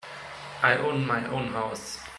I own my own house.